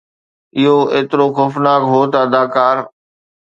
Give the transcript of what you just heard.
اهو ايترو خوفناڪ هو ته اداڪار